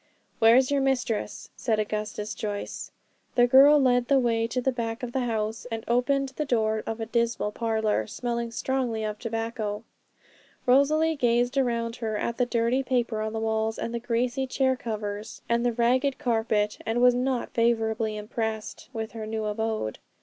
'Where's your mistress?' said Augustus Joyce. The girl led the way to the back of the house, and opened the door of a dismal parlour, smelling strongly of tobacco. Rosalie gazed round her at the dirty paper on the walls, and the greasy chair covers and the ragged carpet, and was not favourably impressed with her new abode.